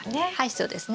そうですね。